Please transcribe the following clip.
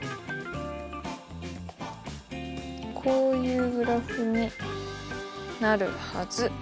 こういうグラフになるはず。